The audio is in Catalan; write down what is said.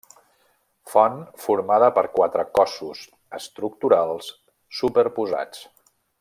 Font formada per quatre cossos estructurals superposats.